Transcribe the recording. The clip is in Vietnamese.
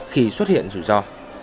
khi xuất hiện rủi ro